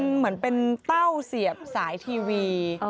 เหมือนเป็นเต้าเสียบสายทีวี